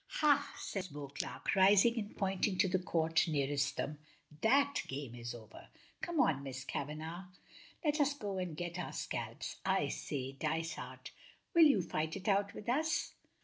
"Hah!" says Beauclerk rising and pointing to the court nearest them; "that game is over. Come on, Miss Kavanagh, let us go and get our scalps. I say, Dysart, will you fight it out with us?"